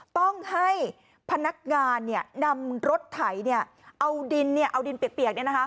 ต้องให้พนักงานเนี่ยนำรถไถเนี่ยเอาดินเนี่ยเอาดินเปียกเนี่ยนะคะ